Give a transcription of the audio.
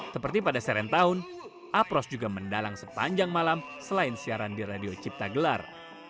seperti pada seren tahun apros juga mendalang sepanjang malam selain siaran di radio cipta gelar